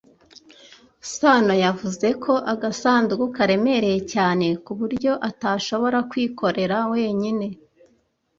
Sanoyavuze ko agasanduku karemereye cyane ku buryo atashobora kwikorera wenyine.